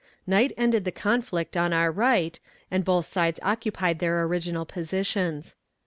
Night ended the conflict on our right, and both sides occupied their original positions.